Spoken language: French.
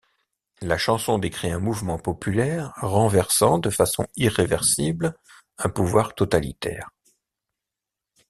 La chanson décrit un mouvement populaire renversant de façon irreversible un pouvoir totalitaire.